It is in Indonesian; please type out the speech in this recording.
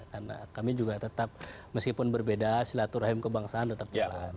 karena kami juga tetap meskipun berbeda silaturahim kebangsaan tetap jalan